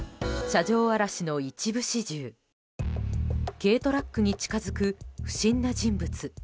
軽トラックに近づく不審な人物。